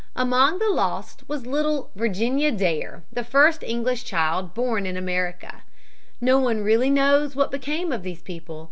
Among the lost was little Virginia Dare, the first English child born in America. No one really knows what became of these people.